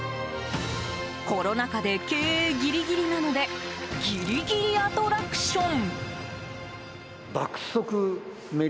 コロナ禍で経営ギリギリなのでぎりぎりアトラクション。